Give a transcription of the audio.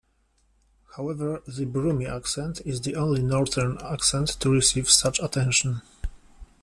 However, the Brummie accent is the only 'northern' accent to receive such attention.